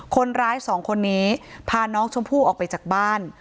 คนร้ายสองคนนี้พาน้องชมพู่ออกไปจากบ้าน